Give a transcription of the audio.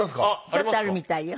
ちょっとあるみたいよ。